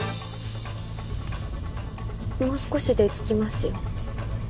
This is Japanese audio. もう少しで着きますよ。